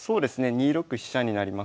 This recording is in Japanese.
２六飛車になります。